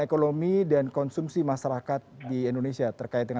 lalu anda melihat apakah pelonggaran ini bisa sedikit memberi angin cerah terhadap pertumbuhan